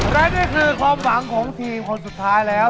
และนี่คือความหวังของทีมคนสุดท้ายแล้ว